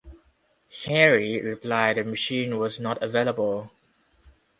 Hari replied the machine was not available.